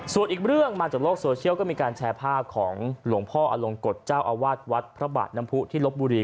ส่วนอีกเรื่องมาจากโลกโซเชียลก็มีการแชร์ภาพของหลวงพ่ออลงกฎเจ้าอาวาสวัดพระบาทน้ำผู้ที่ลบบุรี